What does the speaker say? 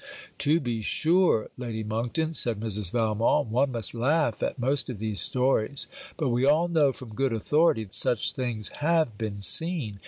'To be sure, Lady Monkton,' said Mrs. Valmont, 'one must laugh at most of these stories; but we all know from good authority such things have been seen.